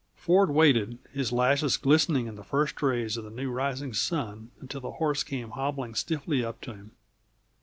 Ford waited, his lashes glistening in the first rays of the new risen sun, until the horse came hobbling stiffly up to him.